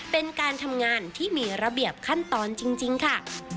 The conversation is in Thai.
เป็นการทำงานที่มีระเบียบขั้นตอนจริงค่ะ